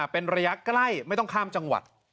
เป็นระยะใกล้ไม่ต้องข้ามจังหวัด